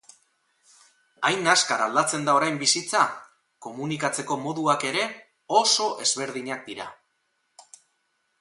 Hain azkar aldatzen da orain bizitza, komunikatzeko moduak ere oso ezberdinak dira.